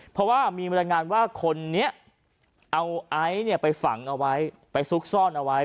เพราะว่ามีบรรยายงานว่าคนนี้เอาไอซ์ไปฝังเอาไว้ไปซุกซ่อนเอาไว้